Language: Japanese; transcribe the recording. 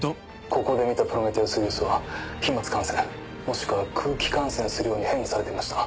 ここで見たプロメテウス・ウイルスは飛沫感染もしくは空気感染するように変異されていました。